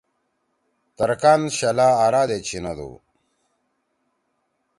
ترکان شلا آرا دے چھینَدُو۔